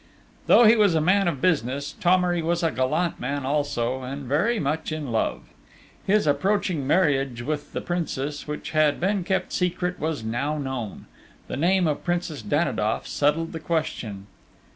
Though he was a man of business, Thomery was a gallant man also; and very much in love; his approaching marriage with the Princess, which had been kept secret, was now known. The name of Princess Danidoff settled the question.